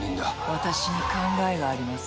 私に考えがあります。